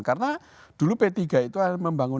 karena dulu p tiga itu membangun